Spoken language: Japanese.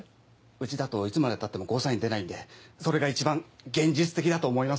うちだといつまでたってもゴーサイン出ないんでそれが一番現実的だと思います。